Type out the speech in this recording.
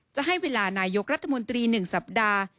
จะให้เวลานายกรัฐมนตรี๑สัปดาห์